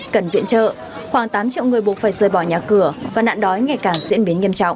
cần viện trợ khoảng tám triệu người buộc phải rời bỏ nhà cửa và nạn đói ngày càng diễn biến nghiêm trọng